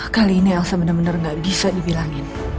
kali ini elsa bener bener gak bisa dibilangin